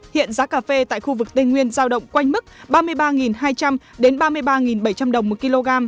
hiện giá cà phê tại khu vực tây nguyên giao động quanh mức ba mươi ba hai trăm linh ba mươi ba bảy trăm linh đồng một kg